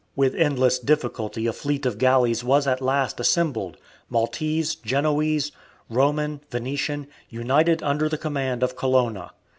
With endless difficulty a fleet of galleys was at last assembled, Maltese, Genoese, Roman, Venetian, united under the command of Colonna.